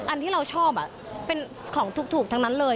อันที่เราชอบเป็นของถูกทั้งนั้นเลย